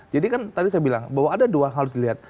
jadi kan tadi saya bilang bahwa ada dua yang harus dilihat